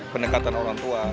pendekatan orang tua